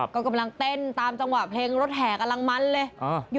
ก็กำลังเต้นตามจังหวะเพลงรถแห่กำลังมันเลย